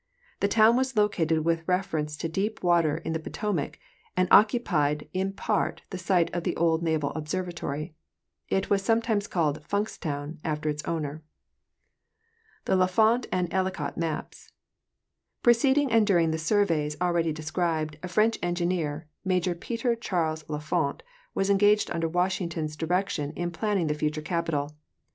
The town was located with reference to deep water in the Potomac, and occu pied in part the site of the old Naval Observatory. It was some times called Funkstown, after its owner. The L' Enfant and Ellicott Maps.—Preceding and during the surveys already described, a French engineer, Major Peter Charles L'Enfant, was engaged under Washington's direction in planning the future capital.